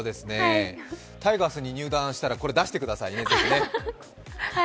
タイガースに入団したらこれ、出してくださいね。